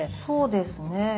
そうですね。